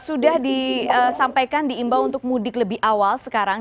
sudah disampaikan diimbau untuk mudik lebih awal sekarang